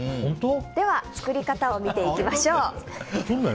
では作り方を見ていきましょう。